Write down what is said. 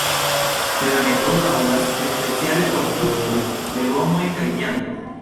La metodo taŭgas speciale por fruktoj, legomoj kaj viando.